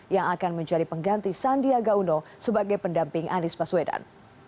yang akan menjadi pengganti sandiaga uno sebagai pendamping anies baswedan